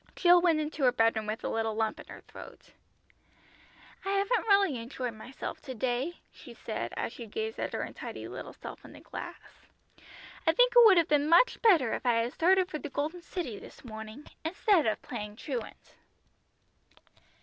Jill went into her bedroom with a little lump in her throat. "I haven't really enjoyed myself," she said, as she gazed at her untidy little self in the glass. "I think it would have been much better if I had started for the Golden City this morning, instead of playing truant."